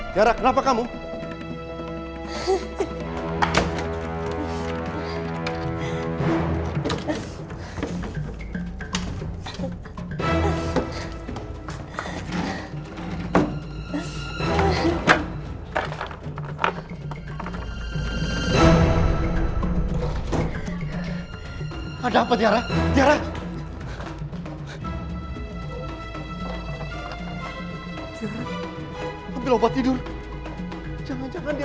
sampai jumpa di video selanjutnya